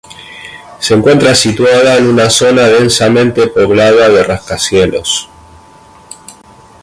Se encuentra situada en una zona densamente poblada de rascacielos.